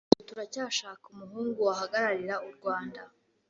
ubu turacyashakisha umuhungu wahagararira u Rwanda